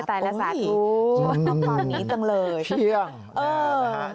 ตายแล้วสาดปูบอกว่าว่านี้จังเลย